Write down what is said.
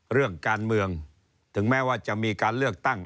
เรื่องการเมืองถึงแม้ว่าจะมีการเลือกตั้ง